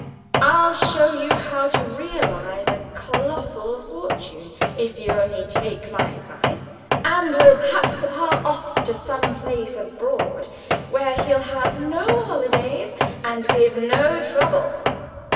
I'll show you how to realise a colossal fortune if you only take my advice. And we'll pack Papa off to some place abroad where he'll have no holidays and give no trouble!"